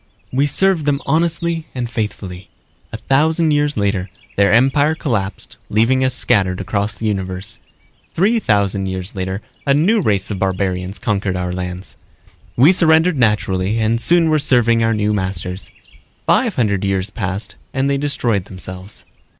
We served them honestly and faithfully. A thousand years later their empire collapsed leaving us scattered across the universe. Three thousand years later a new race of barbarians conquered our planets. We surrendered naturally and soon were serving our new masters. Five hundred years passed and they destroyed themselves.